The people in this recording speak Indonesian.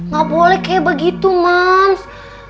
gak boleh kayak begitu mas